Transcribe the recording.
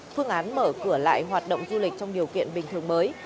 phương án mở cửa lại hoạt động du lịch trong điều kiện bình thường mới